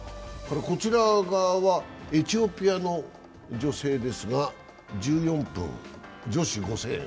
こちら側はエチオピアの女性ですが１４分女子５０００。